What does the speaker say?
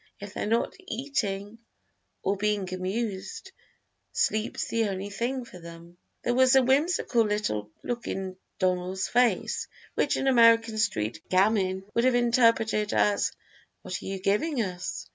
If they're not eating or being amused, sleep's the only thing for them." There was a whimsical little look in Donald's face, which an American street gamin would have interpreted as "what are you giving us?"